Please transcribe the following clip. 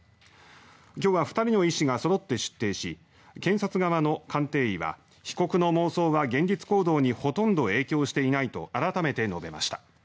今日は２人の医師がそろって出廷し検察側の鑑定は被告の妄想は現実行動にほとんど影響していないと改めて述べました。